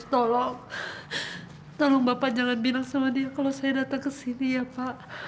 tolong tolong bapak jangan bilang sama dia kaluase datang kesini pak